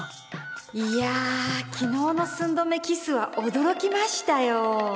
いや昨日の寸止めキスは驚きましたよ